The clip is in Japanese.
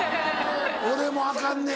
俺もアカンねん。